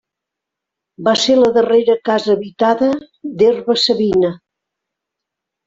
Va ser la darrera casa habitada d'Herba-savina.